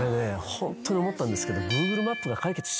ホントに思ったんですけど。